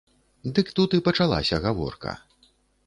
Дык тут і пачалася гаворка.